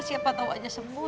siapa tau aja sembuh